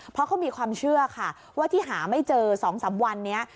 เพราะเขามีความเชื่อค่ะว่าที่หาไม่เจอ๒๓วันนี้